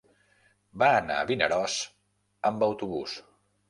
Va anar a Vinaròs amb autobús.